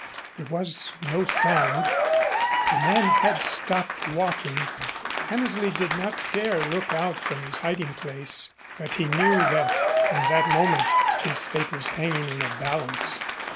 There was no sound. The man had stopped walking. Hammersley did not dare look out from his hiding place, but he knew that in that moment his fate was hanging in a balance.